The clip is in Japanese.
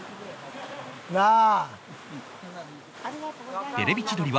なあ！